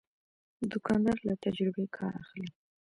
دوکاندار له تجربې کار اخلي.